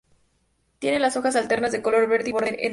Tiene las hojas alternas de color verde y borde entero.